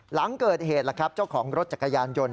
หลังเกิดเหตุเจ้าของรถจักรยานยนต์